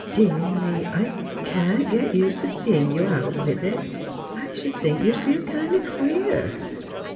— Dear me, I can't get used to seein' you out with it. I sh'd think you'd feel kind o' queer."